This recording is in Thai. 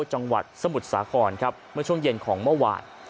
จังหวัดสมุทรสาครครับเมื่อช่วงเย็นของเมื่อวาน